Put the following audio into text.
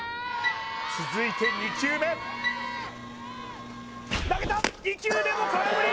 続いて２球目投げた２球目も空振り！